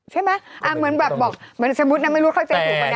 ใช่ไหมอ่าเหมือนแบบบอกเหมือนสมมติน้ำไม่รู้เขาเจอถูกหรือเปล่าแต่